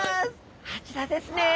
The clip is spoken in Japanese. あちらですね！